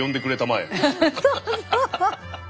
そうそう。